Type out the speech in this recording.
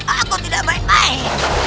aku tidak main main